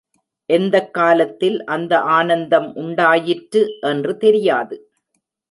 எந்தக் காலத்தில் அந்த ஆனந்தம் உண்டாயிற்று என்று தெரியாது.